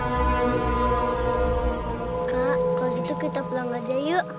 kak kalau gitu kita pulang aja yuk